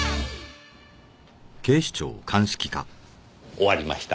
終わりました。